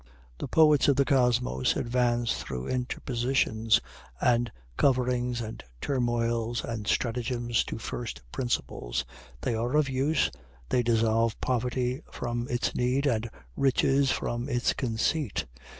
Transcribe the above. The poets of the kosmos advance through all interpositions and coverings and turmoils and stratagems to first principles. They are of use they dissolve poverty from its need, and riches from its conceit.